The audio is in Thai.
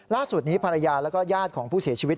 ล่าสุดนี้ภรรยาแล้วก็ญาติของผู้เสียชีวิต